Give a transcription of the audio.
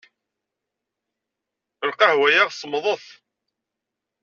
Lqahwa-ya semmḍet.